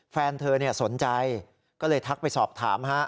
แฟนเธอสนใจก็เลยทักไปสอบถาม